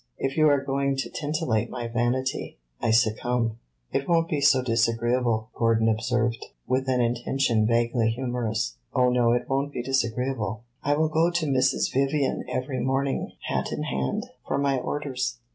If you are going to titillate my vanity, I succumb." "It won't be so disagreeable," Gordon observed, with an intention vaguely humorous. "Oh no, it won't be disagreeable. I will go to Mrs. Vivian every morning, hat in hand, for my orders."